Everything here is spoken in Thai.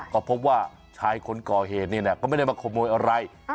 ก็พบว่าชายคนกอเหดก็ไม่ได้มาขโมยอะไร